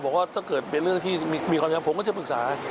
บอกว่าถ้าเกิดเป็นเรื่องที่มีความจำผมก็จะปรึกษา